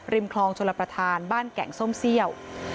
คลองชลประธานบ้านแก่งส้มเซี่ยว